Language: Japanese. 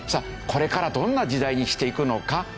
これからどんな時代にしていくのかという。